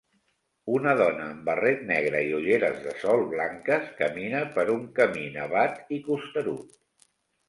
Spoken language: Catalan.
Una dona amb barret negre i ulleres de sol blanques camina per un camí nevat i costerut.